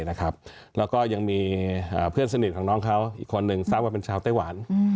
แล้วก็ยังมีเพื่อนสนิทของน้องเขาอีกคนนึงทราบว่าเป็นชาวไต้หวัน